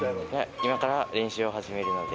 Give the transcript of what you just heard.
今から練習を始めるので。